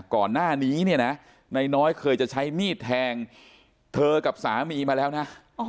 ก่อนหน้านี้น้อยเคยจะใช้มีดแทงเธอกับสามีมาแล้วนะ